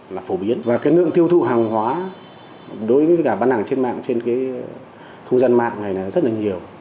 nượng tiêu thụ hàng hóa đối với bán hàng trên mạng trên không gian mạng này rất nhiều